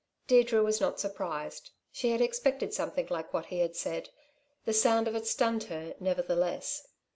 Deirdre was not surprised. She had expected something like what he had said. The sound of it stunned her nevertheless.